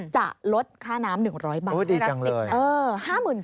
จะลดค่าน้ำ๑๐๐บาทได้รับสิทธิ์นะ